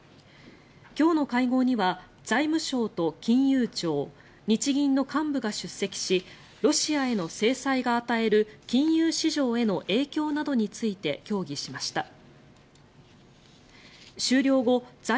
今日の会合には、財務省と金融庁日銀の幹部が出席しロシアへの制裁が与える金融市場への影響などについて協議しました。